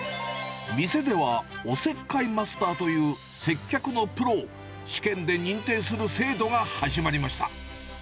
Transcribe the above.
店では、おせっかいマスターという接客のプロを試験で認定する制度が始まりました。